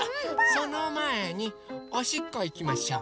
そのまえにおしっこいきましょう。